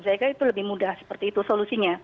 saya kira itu lebih mudah seperti itu solusinya